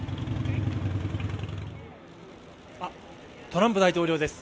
トランプ大統領です。